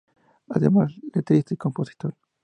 Además, letrista, y compositor.